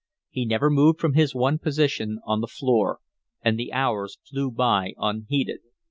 He never moved from his one position on the floor; and the hours flew by unheeded.